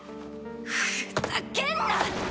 ふざけんな！